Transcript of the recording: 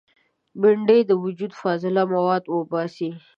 بېنډۍ د وجود فاضله مواد وباسي